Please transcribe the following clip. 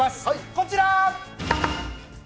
こちら。